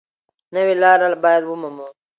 نوې لاره باید ومومو.